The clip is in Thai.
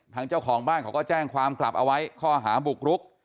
เจ้าของบ้านเขาก็แจ้งความกลับเอาไว้ข้อหาบุกรุก